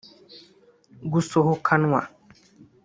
gusohokanwa